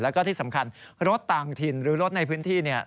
แล้วก็ที่สำคัญรถต่างถิ่นหรือรถในพื้นที่เนี่ย